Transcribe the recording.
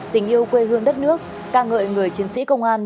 tình yêu quê hương đất nước ca ngợi người chiến sĩ công an